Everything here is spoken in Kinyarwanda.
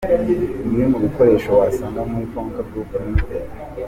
Bimwe mu bikoresho wasanga muri Konka Group Ltd.